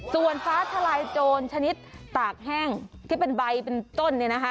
ส่วนฟ้าทะลายโจรชนิดตากแห้งที่เป็นใบเป็นต้น